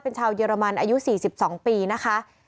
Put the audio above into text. เป็นชาวเยอรมันอายุ๔๒ปีนะคะ